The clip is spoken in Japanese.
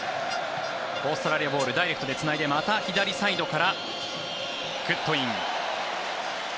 オーストラリアボールダイレクトでつないでまた左サイドからグッドウィン。